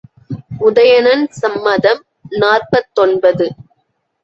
உதயணன் சம்மதம் நாற்பத்தொன்பது.